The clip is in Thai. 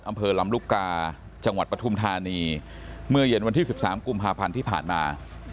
อำเภอลำลูกกาจังหวัดปฐุมธานีเมื่อเย็นวันที่๑๓กุมภาพันธ์ที่ผ่านมา